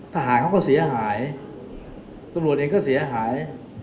ทหารเขาก็เสียหายตำรวจเองก็เสียหาย